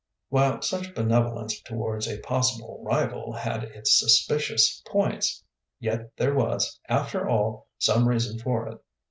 While such benevolence towards a possible rival had its suspicious points, yet there was, after all, some reason for it.